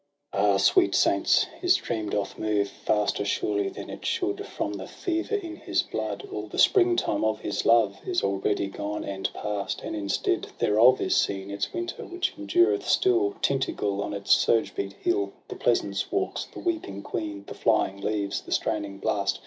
* Ah! sweet saints, his dream doth move Faster surely than it should, From the fever in his blood ! All the spring time of his love Is already gone and past. And instead thereof is seen Its winter, which endureth still — Tyntagel on its surge beat hill, The pleasaunce walks, the weeping queen, The flying leaves, the straining blast.